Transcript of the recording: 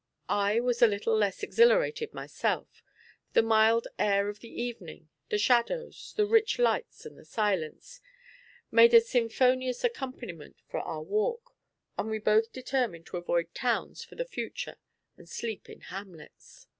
I was little less exhilarated myself; the mild air of the evening, the shadows, the rich lights and the silence, made a symphonious accompaniment about our walk; and we both determined to avoid towns for the future and sleep in hamlets.